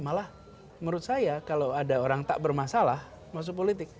malah menurut saya kalau ada orang tak bermasalah masuk politik